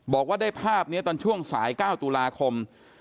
บอกว่าได้ภาพนี้ตอนช่วงสาย๙ตุลาคม